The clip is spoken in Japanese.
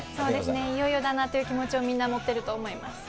いよいよだなって気持ちをみんな持ってると思います。